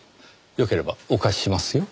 よければお貸ししますよ。